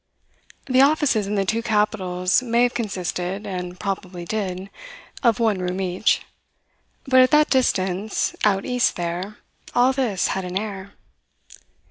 The offices in the two capitals may have consisted and probably did of one room in each; but at that distance, out East there, all this had an air.